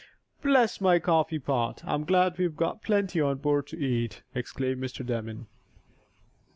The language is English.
"Bless my coffee pot, I'm glad we've got plenty on board to eat!" exclaimed Mr. Damon.